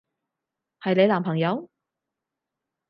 係你男朋友？